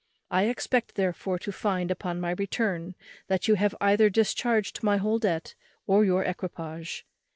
I expect, therefore, to find, at my return, that you have either discharged my whole debt, or your equipage.